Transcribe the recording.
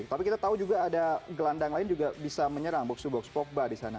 tapi kita tahu juga ada gelandang lain juga bisa menyerang box box pogba di sana